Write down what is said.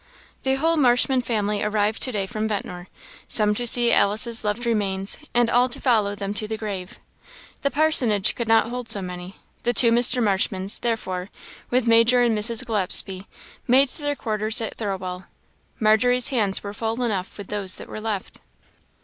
The whole Marshman family arrived to day from Ventnor; some to see Alice's loved remains, and all to follow them to the grave. The parsonage could not hold so many; the two Mr. Marshmans, therefore, with Major and Mrs. Gillespie, made their quarters at Thirlwall. Margery's hands were full enough with those that were left.